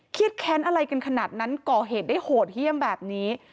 แค้นอะไรกันขนาดนั้นก่อเหตุได้โหดเยี่ยมแบบนี้